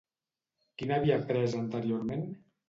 Qui n'havia pres anteriorment?